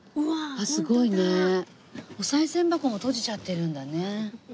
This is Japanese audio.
すごいね。おさい銭箱も閉じちゃってるんだね。